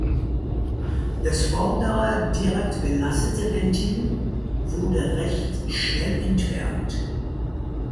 Das vordere direkt belastete Ventil wurde recht schnell entfernt.